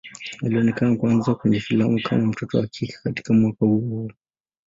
Alionekana kwanza kwenye filamu kama mtoto wa kike katika mwaka huo huo.